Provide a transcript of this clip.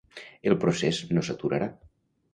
El procés no s’aturarà.